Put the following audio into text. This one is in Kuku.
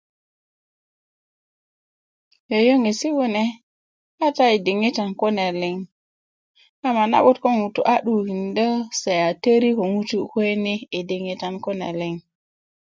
yöyöŋesi kune kata i diŋitan kune liŋ ama a na'but ko ŋutu a 'dukukindö se a töri ko ŋutu i kuwe ni i diŋitan kune liŋ